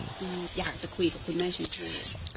อยากจะคุยกับคุณแม่ช่วงนี้